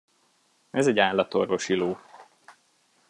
Ez egy állatorvosi ló.